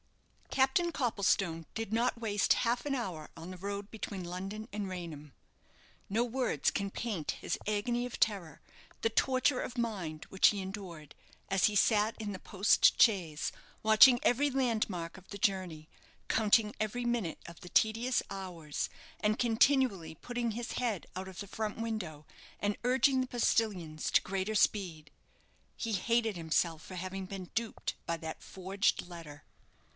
Captain Copplestone did not waste half an hour on the road between London and Raynham. No words can paint his agony of terror, the torture of mind which he endured, as he sat in the post chaise, watching every landmark of the journey, counting every minute of the tedious hours, and continually putting his head out of the front window, and urging the postillions to greater speed. He hated himself for having been duped by that forged letter.